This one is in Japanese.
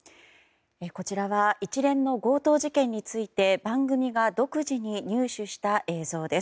こちらは一連の強盗事件について番組が独自に入手した映像です。